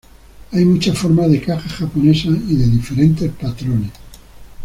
Hay muchas formas de cajas japonesas y de diferentes patrones.